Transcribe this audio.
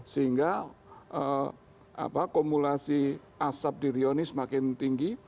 sehingga kumulasi asap di rio ini semakin tinggi